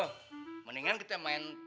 bro mendingan kita main